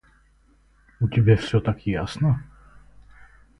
У тебя всё так ясно.